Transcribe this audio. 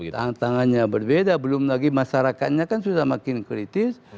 tantangannya berbeda belum lagi masyarakatnya kan sudah makin kritis